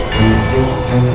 bangun lu bangun